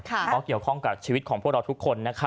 เพราะเกี่ยวข้องกับชีวิตของพวกเราทุกคน